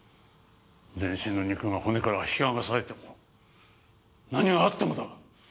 全身の肉が骨から引きはがされても何があってもだ！